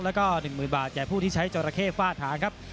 แล้วก็หนึ่งหมื่นบาทแก่ผู้ที่ใช้จอระเข้ฝ้าทางครับ